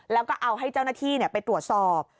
แล้วก็เอาให้เจ้าหน้าที่ไปตรวจสอบ